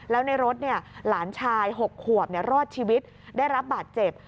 แล้วในรถหลานชาย๖ขวบรอดชีวิตได้รับบาดเจ็บ